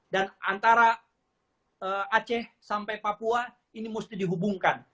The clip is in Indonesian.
dan antara aceh sampai papua ini mesti dihubungkan